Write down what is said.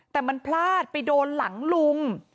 แต่มันพลาดไปโดนหลังลุง